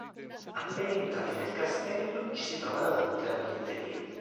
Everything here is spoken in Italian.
Appena entrati nel castello, ci si trova davanti alla biglietteria.